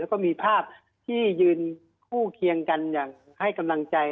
แล้วก็มีภาพที่ยืนคู่เคียงกันอย่างให้กำลังใจ